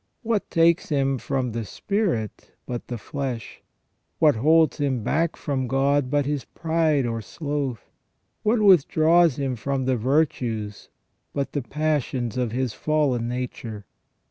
What takes him from the spirit but the flesh ? What holds him back from God but his pride or sloth ? What withdraws him from the virtues but the passions of his fallen nature